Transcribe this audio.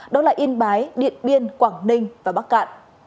đó là yên bái điện biên quảng ninh và bắc cạn